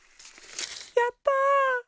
やった！